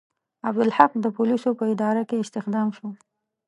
عبدالحق د پولیسو په اداره کې استخدام شو.